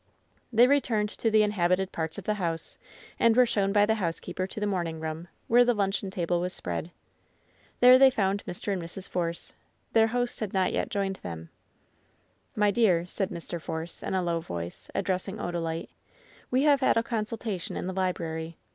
They returned to the inhabited parts of the house, and were shown, by the housekeeper to the morning room, where the luncheon table was spread. There they found Mr. and Mrs. Force. Their host had not yet joined them. "My dear," said Mr. Force, in a low voice, addressing Odalite, "we have had a consultation in the library.